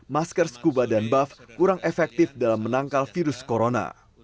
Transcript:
masker scuba dan buff kurang efektif dalam menangkal virus corona